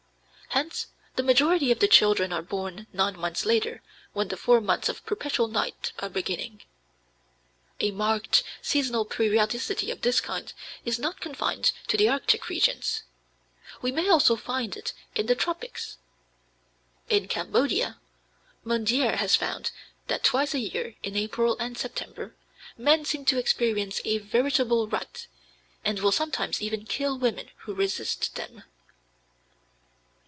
Hence, the majority of the children are born nine months later, when the four months of perpetual night are beginning. A marked seasonal periodicity of this kind is not confined to the Arctic regions. We may also find it in the tropics. In Cambodia, Mondière has found that twice a year, in April and September, men seem to experience a "veritable rut," and will sometimes even kill women who resist them.